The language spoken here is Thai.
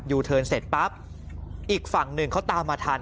เทิร์นเสร็จปั๊บอีกฝั่งหนึ่งเขาตามมาทัน